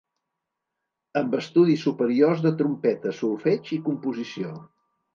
Amb estudis superiors de trompeta, solfeig i composició.